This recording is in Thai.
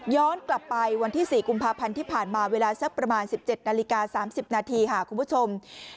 กลับไปวันที่๔กุมภาพันธ์ที่ผ่านมาเวลาสักประมาณ๑๗นาฬิกา๓๐นาทีค่ะคุณผู้ชม